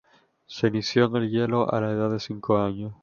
Se inició en el hielo a la edad de cinco años.